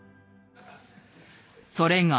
それが。